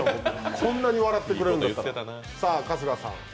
こんな笑ってくれるんやって。